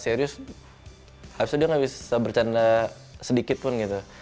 jadi ini bakal serius habis itu dia gak bisa bercanda sedikit pun gitu